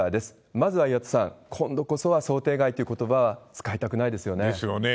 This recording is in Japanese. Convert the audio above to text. まずは岩田さん、今度こそは想定外ということばは使いたくないですよね。ですよね。